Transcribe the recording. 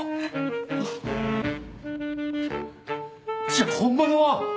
じゃ本物は？